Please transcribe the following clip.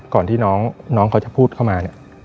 ก่อนที่น้องเขาจะพูดเข้ามาเนี่ย